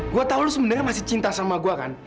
gue tau lo sebenernya masih cinta sama gue kan